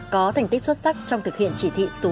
có thành tích xuất sắc trong thực hiện chỉ thị số một mươi ba